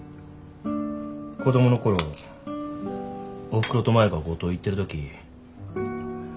子供の頃おふくろと舞が五島行ってる時。